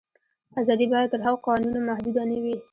آزادي باید تر هغو قوانینو محدوده نه وي.